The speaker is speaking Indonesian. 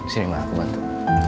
sini ma aku bantu